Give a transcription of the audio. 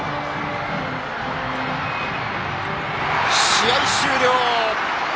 試合終了。